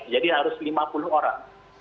jadi harus lima puluh orang